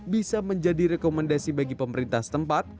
bisa menjadi rekomendasi bagi pemerintah setempat